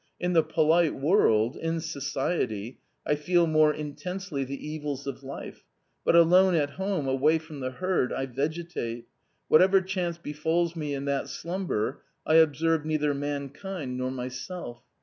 In the polite world, in society, I feel more intensely the evils of life, but alone at home, away from the herd, I vegetate; whatever chance befalls me in that slumber I observe neither mankind nor myself.